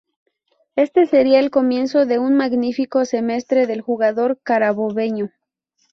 Este sería el comienzo de un magnífico semestre del jugador carabobeño.